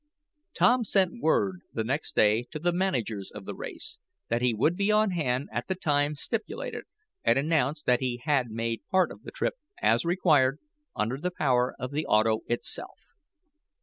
Tom sent word, the next day, to the managers of the race, that he would be on hand at the time stipulated, and announced that he had made part of the trip, as required, under the power of the auto itself.